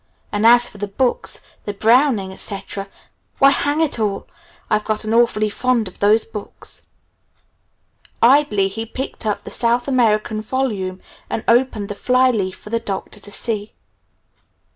And as for the books, the Browning, etc. why hang it all, I've gotten awfully fond of those books!" Idly he picked up the South American volume and opened the fly leaf for the Doctor to see.